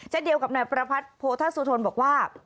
เดียวกับนายประพัทธ์โพธสุทนบอกว่า